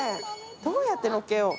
どうやって乗っけよう。